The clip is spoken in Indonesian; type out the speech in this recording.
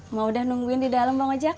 mama udah nungguin di dalam bang ojak